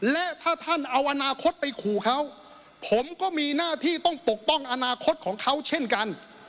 และถ้าท่านเอาอนาคตไปขู่เขาผมก็มีหน้าที่ต้องปกป้องอนาคตของเขาเช่นกัน